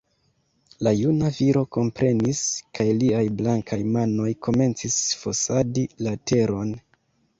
La juna viro komprenis; kaj liaj blankaj manoj komencis fosadi la teron.